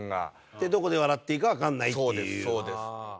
でどこで笑っていいかわかんないっていうような。